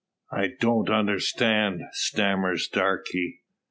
"I don't understand," stammers Darke.